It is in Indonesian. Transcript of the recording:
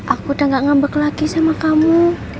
aku udah gak ngambek lagi sama kamu